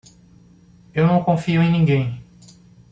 Eu não confio em ninguém.